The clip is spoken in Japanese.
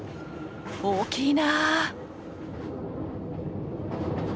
大きいな！